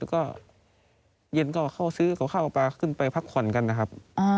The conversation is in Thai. ก็เย็นก็เข้าซื้อกับข้าวปลาขึ้นไปพักผ่อนกันนะครับ